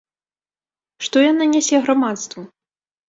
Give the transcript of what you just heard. Што яна нясе грамадству?